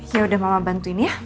yaudah mama bantuin ya